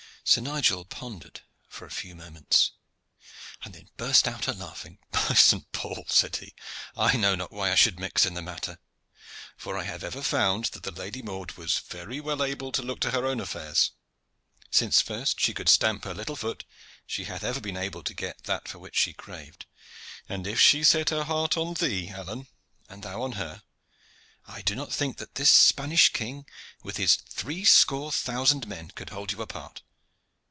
Sir Nigel pondered for a few moments, and then burst out a laughing. "By St. Paul!" said he, "I know not why I should mix in the matter; for I have ever found that the Lady Maud was very well able to look to her own affairs. Since first she could stamp her little foot, she hath ever been able to get that for which she craved; and if she set her heart on thee, Alleyne, and thou on her, I do not think that this Spanish king, with his three score thousand men, could hold you apart.